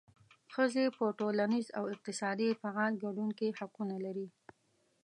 ښځې په ټولنیز او اقتصادي فعال ګډون کې حقونه لري.